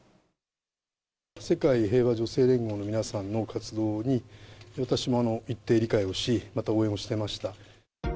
世界平和女性連合の皆さんの活動に、私も一定理解をし、また応援をしてました。